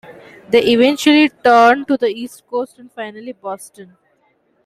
They eventually turned to the East Coast and finally Boston.